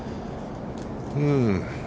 うん。